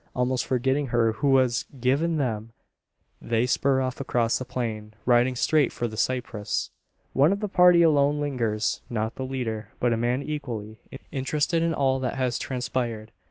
Almost forgetting her who has given them, they spur off across the plain, riding straight for the cypress. One of the party alone lingers not the leader, but a man equally interested in all that has transpired.